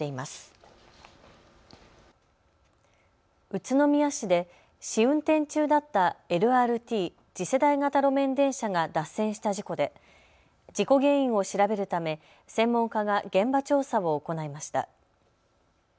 宇都宮市で試運転中だったＬＲＴ・次世代型路面電車が脱線した事故で事故原因を調べるため専門家が現場調査を行いました。